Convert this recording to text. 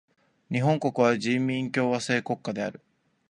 日本国は人民共和制国家である。